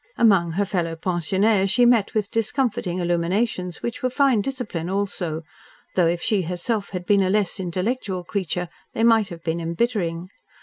Among her fellow pensionnaires she met with discomforting illuminations, which were fine discipline also, though if she herself had been a less intellectual creature they might have been embittering.